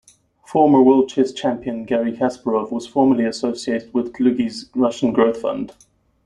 Former world chess champion Garry Kasparov was formerly associated with Dlugy's Russian Growth Fund.